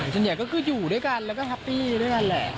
ส่วนใหญ่ก็คืออยู่ด้วยกันแล้วก็แฮปปี้ด้วยกันแหละ